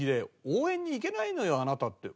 「応援に行けないのよあなた」って。